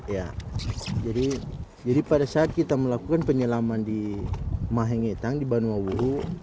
ya jadi pada saat kita melakukan penyelaman di mahengetang di banu wawuhu